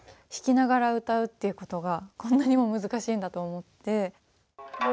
弾きながら歌うっていうことがこんなにも難しいんだと思って。